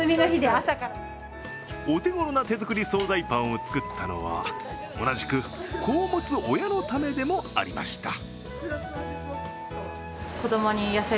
お手ごろな手作り総菜パンを作ったのは同じく、子を持つ親のためでもありました。